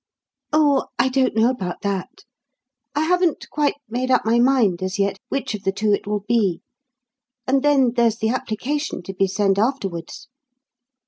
"Oh, I don't know about that. I haven't quite made up my mind as yet which of the two it will be. And then there's the application to be sent afterwards."